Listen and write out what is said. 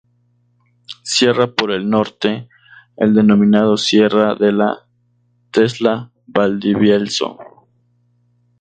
Cierra por el norte el denominado Sierra de la Tesla-Valdivielso.